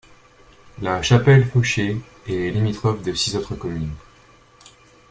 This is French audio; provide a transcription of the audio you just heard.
La Chapelle-Faucher est limitrophe de six autres communes.